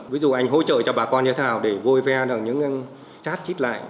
ví dụ anh hỗ trợ cho bà con như thế nào để vôi ve những chát chít lại